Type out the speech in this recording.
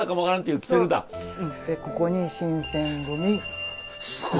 ここに「新選組様」。